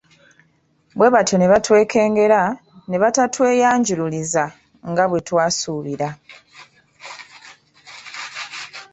Bwe batyo ne batwekengera ne batatweyanjuliriza nga bwe twasuubira.